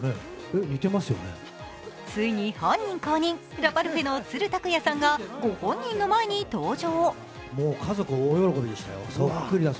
ついに本人公認ラパルフェの都留拓也さんがご本人の前に登場。